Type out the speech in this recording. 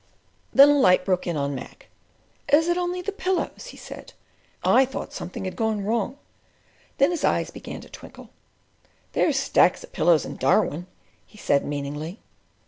Then a light broke in on Mac. "Is it only the pillows?" he said. "I thought something had gone wrong." Then his eyes began to twinkle. "There's stacks of pillows in Darwin," he said meaningly.